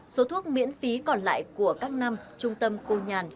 số thuốc miễn phí còn lại của các năm trung tâm cô nhàn